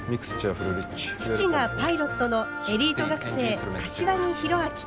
父がパイロットのエリート学生柏木弘明。